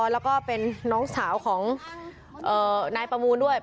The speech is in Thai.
แล้วก็เป็นน้องสาวของนายประมูลด้วย